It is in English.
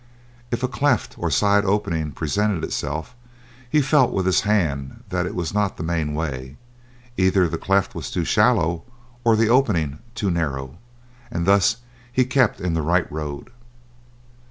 If a cleft or side opening presented itself, he felt with his hand that it was not the main way; either the cleft was too shallow, or the opening too narrow, and he thus kept in the right road.